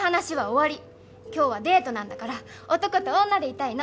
今日はデートなんだから男と女でいたいの！